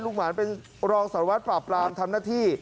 หวานเป็นรองสารวัตรปราบปรามทำหน้าที่